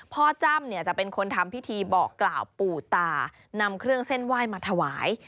จ้ำเนี่ยจะเป็นคนทำพิธีบอกกล่าวปู่ตานำเครื่องเส้นไหว้มาถวาย